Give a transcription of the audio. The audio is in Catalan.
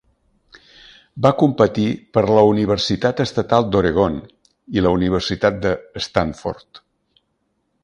Va competir per la Universitat Estatal d'Oregon i la Universitat de Stanford.